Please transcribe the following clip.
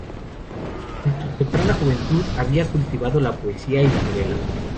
En su temprana juventud, había cultivado la poesía y la novela.